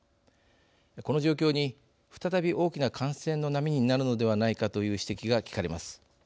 この状況に再び大きな感染の波になるのではないかという指摘が聞かれます。